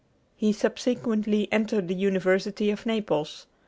He subsequently entered the University of Naples.